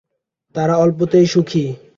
তারা অল্পতেই সুখী।